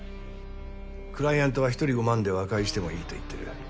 クライアントは１人５万で和解してもいいと言ってる。